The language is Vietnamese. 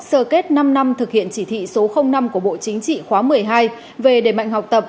sơ kết năm năm thực hiện chỉ thị số năm của bộ chính trị khóa một mươi hai về đề mạnh học tập